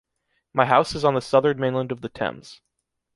My house is on the southern mainland of the Thames.